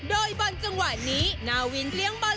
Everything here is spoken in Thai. โดยบางจังหวะนี้นาวินเลี้ยงบอล